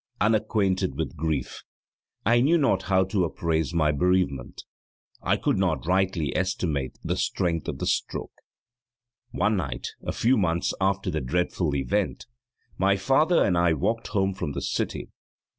Unacquainted with grief, I knew not how to appraise my bereavement; I could not rightly estimate the strength of the stroke. One night, a few months after the dreadful event, my father and I walked home from the city.